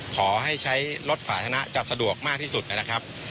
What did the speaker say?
ขอให้ใช้รถสาธารณะจะสะดวกมากที่สุดนะครับ